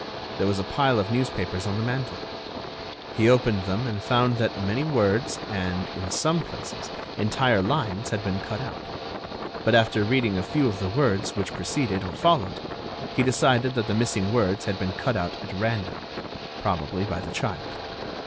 There was a pile of newspapers on the mantel. He opened them and found that many words and, in some places, entire lines had been cut out. But, after reading a few of the word's which preceded or followed, he decided that the missing words had been cut out at random—probably by the child.